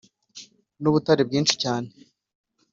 n ubutare bwinshi cyane